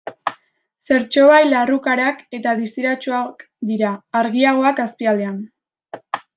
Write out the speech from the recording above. Zertxobait larrukarak eta distiratsuak dira, argiagoak azpialdean.